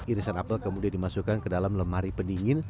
irisan apel kemudian dimasukkan ke dalam lemari pendingin